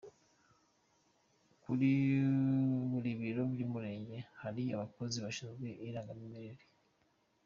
Kuri buri biro by’umurenge hari abakozi bashinzwe irangamimerere.